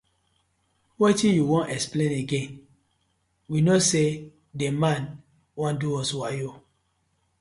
Wetin yu won explain again, we kno sey the man wan do us wayo.